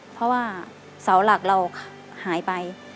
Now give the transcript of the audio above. เพราะว่าเสาหลักเราหายไป